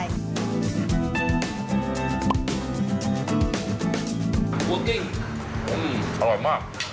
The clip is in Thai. อร่อยมากอร่อยมากอร่อยมาก